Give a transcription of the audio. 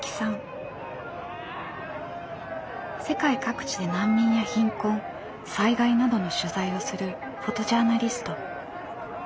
世界各地で難民や貧困災害などの取材をするフォトジャーナリスト。